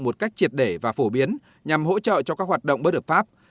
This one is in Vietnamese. một cách triệt để và phổ biến nhằm hỗ trợ cho các hoạt động bất hợp pháp